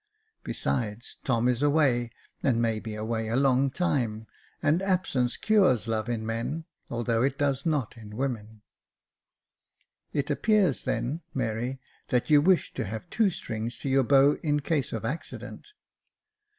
Besides, Tom is away, and may be away a long while, and absence cures love in men, although it does not in women." " It appears then, Mary, that you wish to have two strings to your bow in case of accident."